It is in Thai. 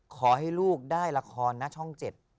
ขอให้ลูกได้ละครนะช่อง๗